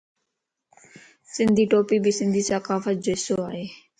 سنڌي ٽوپي بي سنڌي ثقافت جو حصو ائي.